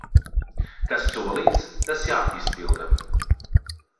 Kas solīts, tas jāizpilda.